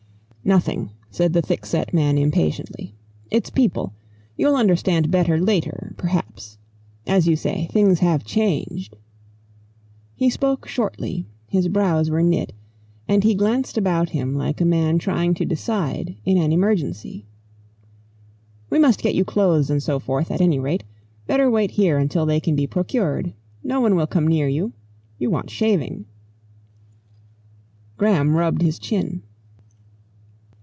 "Nothing," said the thickset man impatiently. "It's people. You'll understand better later perhaps. As you say, things have changed." He spoke shortly, his brows were knit, and he glanced about him like a man trying to decide in an emergency. "We must get you clothes and so forth, at any rate. Better wait here until they can be procured. No one will come near you. You want shaving." Graham rubbed his chin.